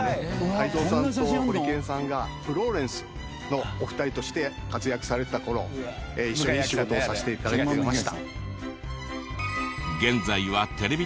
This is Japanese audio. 泰造さんとホリケンさんがフローレンスのお二人として活躍されてた頃一緒に仕事をさせて頂いてました。